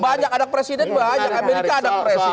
banyak anak presiden banyak amerika anak presiden